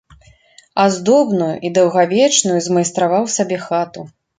Аздобную і даўгавечную змайстраваў сабе хату.